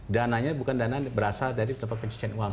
dananya bukan berasal dari tempat penciptakan uang